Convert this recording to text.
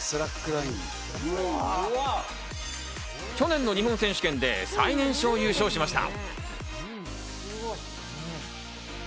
去年の日本選手権で最年少優勝しました。